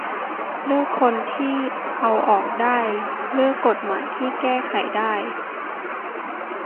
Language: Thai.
เลือกคนที่เอาออกได้ เลือกกฎหมายที่แก้ไขได้